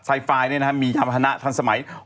ไซฟ้าเนี่ยมีอาณาทันสมัย